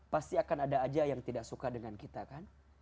pasti akan ada aja yang tidak suka dengan kita kan